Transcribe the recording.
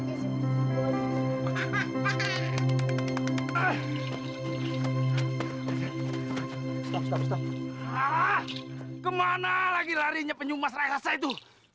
hahaha kemana lagi larinya penyumas raksasa itu